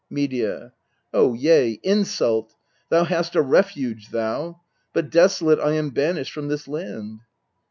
Medea. Oh, yea, insult ! Thou hast a refuge, thou ; But desolate I am banished from this land.